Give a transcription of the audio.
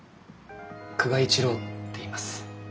久我一郎っていいます。